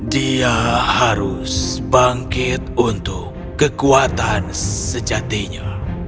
dia harus bangkit untuk kekuatan sejatinya